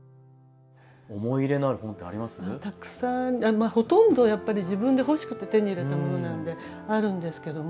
まあほとんどやっぱり自分で欲しくて手に入れたものなんであるんですけども。